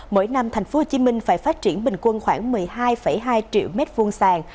mỗi năm thành phố hồ chí minh phải phát triển bình quân khoảng một mươi hai hai triệu m hai sàn